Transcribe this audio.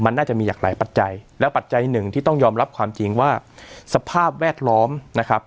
มันน่าจะมีหลากหลายปัจจัยและปัจจัยหนึ่งที่ต้องยอมรับความจริงว่าสภาพแวดล้อมนะครับ